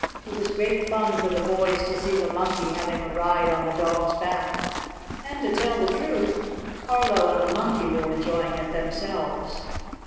It was great fun for the boys to see the Monkey having a ride on the dog's back. And, to tell the truth, Carlo and the Monkey were enjoying it themselves.